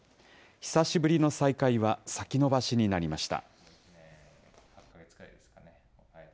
久しぶりの再会は先延ばしになりました。